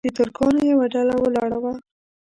د ترکانو یوه ډله ولاړه وه.